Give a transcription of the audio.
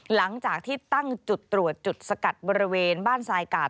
หลังจากที่ตั้งจุดตรวจจุดสกัดบริเวณบ้านทรายกาด